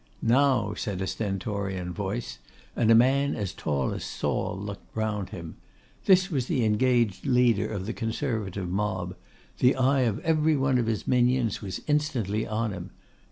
'Now!' said a stentorian voice; and a man as tall as Saul looked round him. This was the engaged leader of the Conservative mob; the eye of every one of his minions was instantly on him.